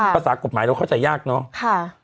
ภาษากฎหมายเราเข้าใจยากเนอะ